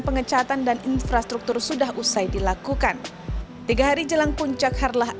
pengecatan dan infrastruktur sudah usai dilakukan tiga hari jelang puncak harlah